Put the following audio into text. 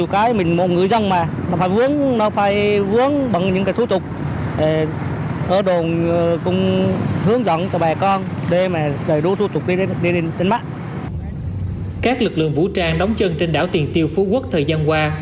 các lực lượng vũ trang đóng chân trên đảo tiền tiêu phú quốc thời gian qua